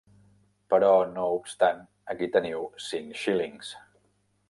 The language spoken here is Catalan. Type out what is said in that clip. Però, no obstant, aquí teniu cinc xílings.